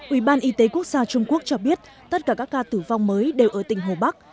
ủy ban y tế quốc gia trung quốc cho biết tất cả các ca tử vong mới đều ở tỉnh hồ bắc